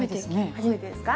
初めてですか？